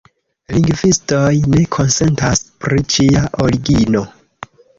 Lingvistoj ne konsentas pri ĝia origino.